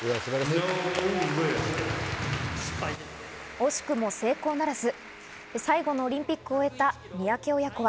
惜しくも成功ならず、最後のオリンピックを終えた三宅親子は。